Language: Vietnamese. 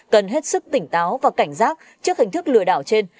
cần hết sức tỉnh táo và cảnh giác trước hình thức lừa đảo trên